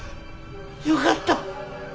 よかった。